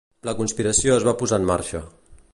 La conspiració es va posar en marxa.